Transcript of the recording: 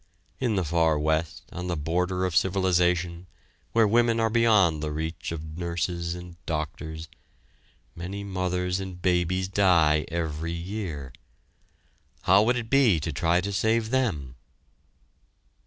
In the Far West, on the border of civilization, where women are beyond the reach of nurses and doctors, many mothers and babies die every year. How would it be to try to save them?